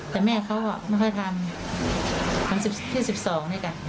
แต่แม่เค้าอ่ะไม่ค่อยทำที่สิบสองนี่กัน